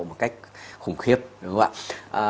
một cách khủng khiếp đúng không ạ